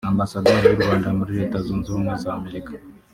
Ambasaderi w’u Rwanda muri Leta Zunze Ubumwe za Amerika